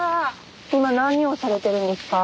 今何をされてるんですか？